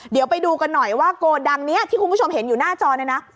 เดี๋ยวไปดูกันหน่อยว่าโกดังนี้ที่คุณผู้ชมเห็นอยู่หน้าจอเนี่ยนะ